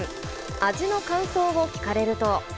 味の感想を聞かれると。